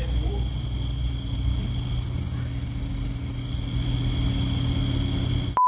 โง่วายรู้สะบัด